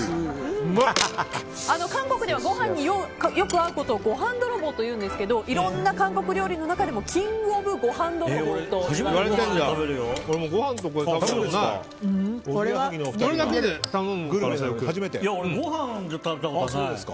韓国ではご飯によく合うことをご飯泥棒というんですけどいろんな韓国料理の中でもキングオブご飯泥棒と言われています。